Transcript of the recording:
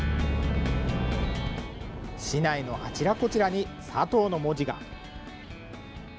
市内のあちらこちらに佐藤の文字が。